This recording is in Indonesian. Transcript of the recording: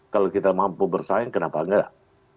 kalau kita mampu bersaing kenapa enggak